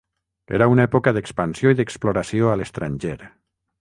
Era una època d"expansió i d"exploració a l"estranger.